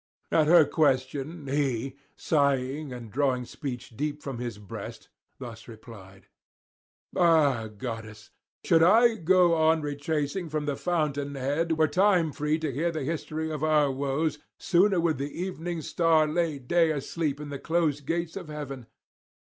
At her question he, sighing and drawing speech deep from his breast, thus replied: 'Ah goddess, should I go on retracing from the fountain head, were time free to hear the history of our woes, sooner would the evening star lay day asleep in the closed gates of heaven.